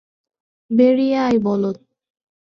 বেরিয়ে আয়, বলদ।